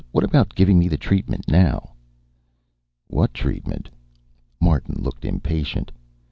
What about giving me the treatment now?" "What treatment?" Martin looked impatient.